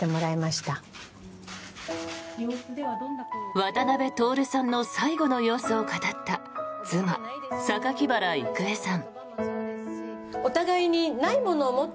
渡辺徹さんの最期の様子を語った妻・榊原郁恵さん。